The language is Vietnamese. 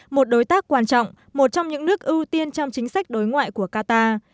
một đối tác quan trọng một trong những nước ưu tiên trong chính sách đối ngoại của qatar